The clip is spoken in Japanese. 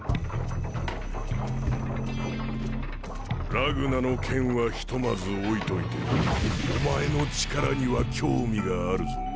・ラグナの件はひとまず置いといてお前の力には興味があるぞ